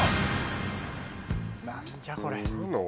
何じゃこれ。